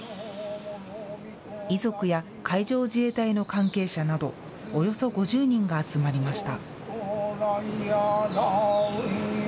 遺族や海上自衛隊の関係者などおよそ５０人が集まりました。